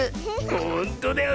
ほんとだよ。